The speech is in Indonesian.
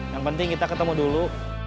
yang penting kita ketemu dulu